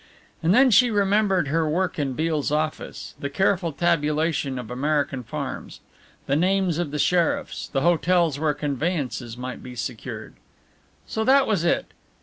And then she remembered her work in Beale's office, the careful tabulation of American farms, the names of the sheriffs, the hotels where conveyances might be secured. So that was it!